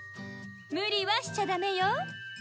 無理はしちゃダメよ。